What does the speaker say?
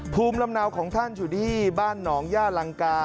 ภูมิลำเนาของท่านอยู่ที่บ้านหนองย่าลังกา